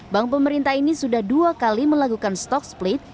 bank pemerintah ini sudah dua kali melakukan stock split